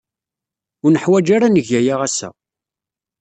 Ur neḥwaj ara ad neg aya ass-a.